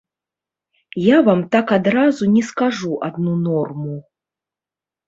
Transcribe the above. Я вам так адразу не скажу адну норму.